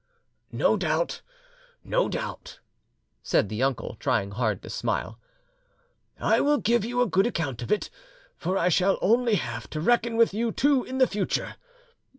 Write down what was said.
"No doubt, no doubt," said the uncle, trying hard to smile. "I will give you a good account of it, for I shall only have to reckon with you two in future.